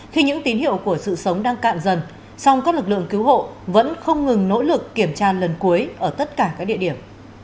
khi những tín hiệu của sự sống đang cạn dần song các lực lượng cứu hộ vẫn không ngừng nỗ lực kiểm tra lần cuối ở tất cả các địa điểm